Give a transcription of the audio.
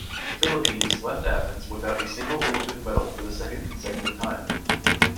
Philippines left Athens without a single Olympic medal for the second consecutive time.